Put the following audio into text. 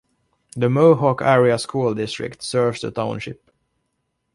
The Mohawk Area School District serves the township.